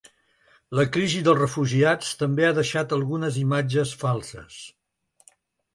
La crisi dels refugiats també ha deixat algunes imatges falses.